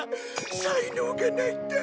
才能がないんだ。